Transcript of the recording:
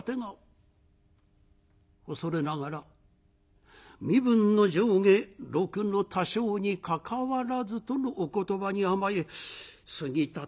「恐れながら身分の上下禄の多少にかかわらずとのお言葉に甘え杉立